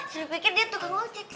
saya pikir dia tukang ojek